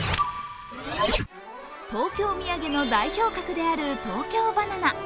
東京・土産の代表格である東京ばな奈。